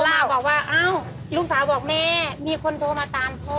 ล่าบอกว่าอ้าวลูกสาวบอกแม่มีคนโทรมาตามพ่อ